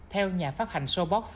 theo nhà phát hành showbox